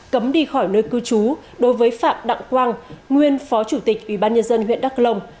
cấm đi khỏi nơi cư trú đối với phạm đặng quang nguyên phó chủ tịch ủy ban nhân dân huyện đắk lông